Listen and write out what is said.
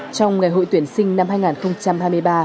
trong ngày hội tuyển sinh năm hai nghìn hai mươi ba